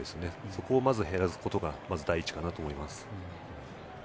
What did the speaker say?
そこを減らすことが第一かなと思います。